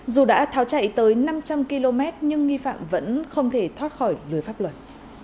dù đã tháo chạy tới năm trăm linh km nhưng nghi phạm vẫn không thể thoát khỏi lưới pháp luật